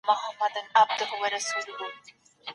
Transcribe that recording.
په شریعت کي د هر چا خوندیتوب سته.